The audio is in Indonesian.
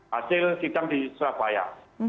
hasil pinjam di surabaya